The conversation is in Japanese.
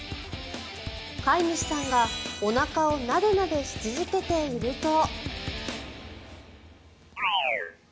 飼い主さんが、おなかをなでなでし続けていると。